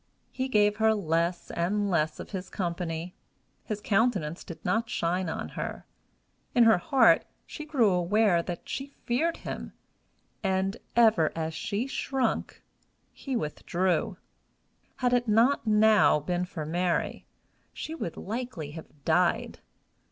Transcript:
He gave her less and less of his company. His countenance did not shine on her; in her heart she grew aware that she feared him, and, ever as she shrunk, he withdrew. Had it not now been for Mary, she would likely have died.